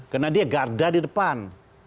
karena dia garda di depan